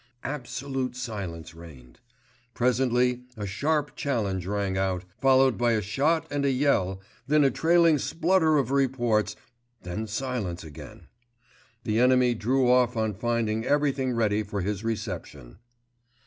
Absolute silence reigned. Presently a sharp challenge rang out, followed by a shot and a yell, then a trailing splutter of reports, then silence again. The enemy drew off on finding everything ready for his reception.